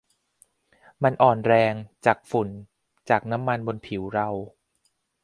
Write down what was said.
มันอ่อนแรง จากฝุ่น จากน้ำมันบนผิวเรา